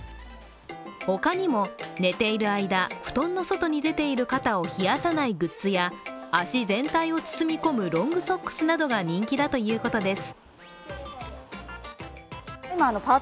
他にも、寝ている間、布団の外に出ている肩を冷やさないグッズや足全体を包み込むロングソックスなどが人気だということです。